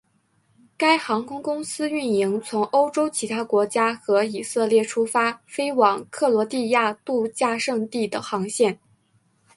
该航空公司运营从欧洲其他国家和以色列出发飞往克罗地亚度假胜地的航线。